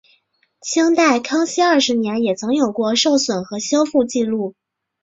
清代康熙二十年也曾有过受损和修复纪录。